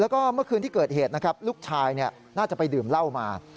แล้วก็เมื่อคืนที่เกิดเหตุนะครับลูกชายน่าจะไปดื่มเหล้ามา